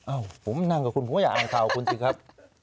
อ้าวผมไม่น่างกับคุณผมก็อยากอ่านข่าวของคุณสิครับ